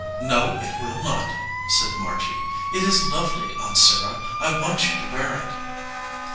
"No, it will not," said Margy. "It is lovely, Aunt Sarah. I want you to wear it."